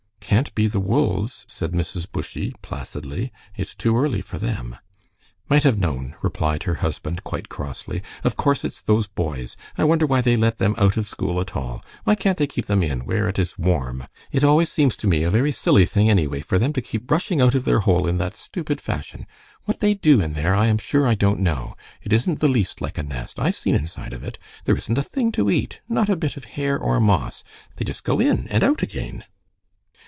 "Can't be the wolves," said Mrs. Bushy, placidly, "it's too early for them." "Might have known," replied her husband, quite crossly; "of course it's those boys. I wonder why they let them out of school at all. Why can't they keep them in where it is warm? It always seems to me a very silly thing anyway, for them to keep rushing out of their hole in that stupid fashion. What they do in there I am sure I don't know. It isn't the least like a nest. I've seen inside of it. There isn't a thing to eat, nor a bit of hair or moss. They just go in and out again."